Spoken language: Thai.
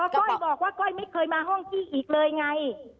ก้อยบอกว่าก้อยไม่เคยมาห้องพี่อีกเลยไง